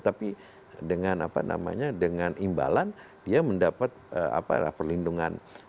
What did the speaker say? tapi dengan imbalan dia mendapat perlindungan